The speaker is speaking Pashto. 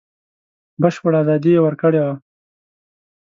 بشپړه ازادي یې ورکړې وه.